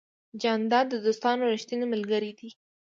جانداد د دوستانو ریښتینی ملګری دی.